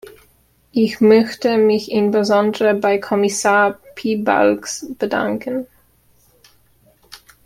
Ich möchte mich insbesondere bei Kommissar Piebalgs bedanken.